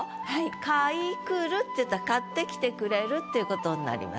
「買いくる」っていったら買ってきてくれるっていう事になります。